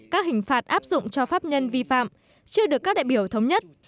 các hình phạt áp dụng cho pháp nhân vi phạm chưa được các đại biểu thống nhất